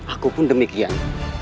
aku pun demikian